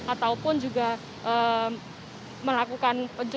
ataupun juga melakukan